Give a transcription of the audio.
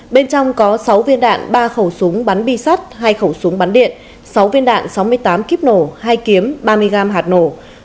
bên trong có sáu viên đạn ba khẩu súng bắn bi sắt hai khẩu súng bắn điện sáu viên đạn sáu mươi tám kíp nổ hai kiếm ba mươi gram hạt nổ